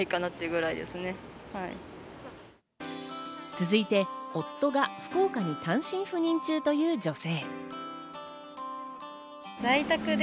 続いて夫が福岡に単身赴任中という女性。